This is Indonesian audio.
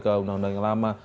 ke undang undang yang lama